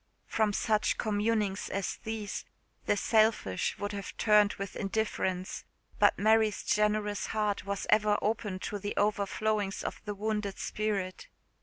From such communings as these the selfish would have turned with indifference; but Mary's generous heart was ever open to the overflowings of the wounded spirit.